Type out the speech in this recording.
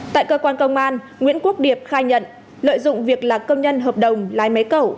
tại cơ quan công an nguyễn quốc điệp khai nhận lợi dụng việc là công nhân hợp đồng lái máy cẩu